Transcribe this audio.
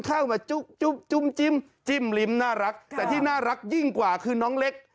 เข้ามาจุ๊บจุ้มจิ้มจิ้มลิ้มน่ารักแต่ที่น่ารักยิ่งกว่าคือน้องเล็ก